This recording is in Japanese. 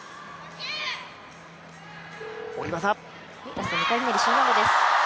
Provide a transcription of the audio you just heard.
ラスト２回ひねり、Ｃ難度です。